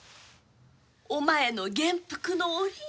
お前の元服の折に。